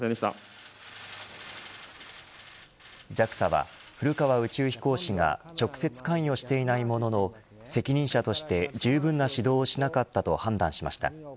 ＪＡＸＡは、古川宇宙飛行士が直接関与していないものの責任者としてじゅうぶんな指導をしなかったと判断しました。